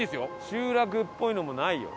集落っぽいのもないよ。